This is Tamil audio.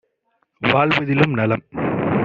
வாழ்வதிலும் நலம்...